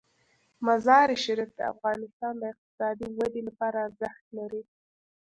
مزارشریف د افغانستان د اقتصادي ودې لپاره ارزښت لري.